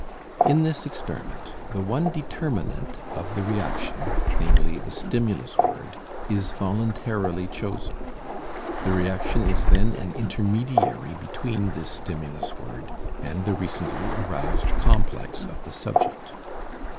In this experiment the one determinate of the reaction, viz., the stimulus word, is voluntarily chosen. The reaction is then an intermediary between this stimulus word and the recently aroused complex of the subject.